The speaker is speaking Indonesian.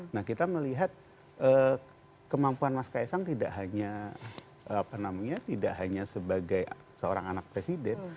nah kita melihat kemampuan mas kaisang tidak hanya tidak hanya sebagai seorang anak presiden